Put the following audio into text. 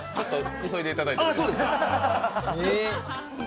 急いでいただいて。